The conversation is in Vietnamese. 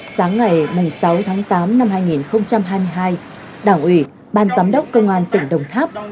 sáng ngày sáu tháng tám năm hai nghìn hai mươi hai đảng ủy ban giám đốc công an tỉnh đồng tháp